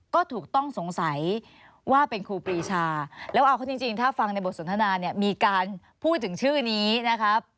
ก็ถูกต้องสงสัยว่าเป็นครูปรีชาแล้วเอาเขาจริงถ้าฟังในบทสนทนาเนี่ยมีการพูดถึงชื่อนี้นะครับ